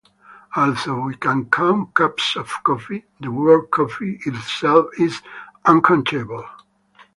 Although we can count cups of coffee, the word "coffee" itself is uncountable.